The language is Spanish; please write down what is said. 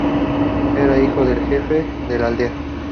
Era hijo del jefe de la aldea.